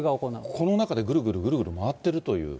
この中でぐるぐるぐるぐる回ってるという。